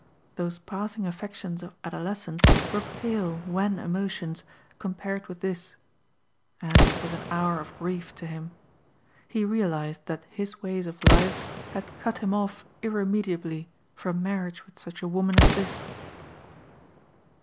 Those passing affections of adolescence were pale, wan emotions compared with this. And it was an hour of grief to him. He realized that his ways of life had cut him off irremediably from marriage with such a woman as this.